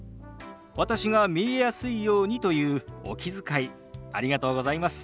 私が見えやすいようにというお気遣いありがとうございます。